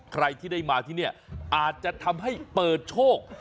ใครที่ได้มาที่นี่อาจจะทำให้เปิดโชค